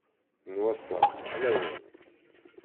N wass-a ḥlawen.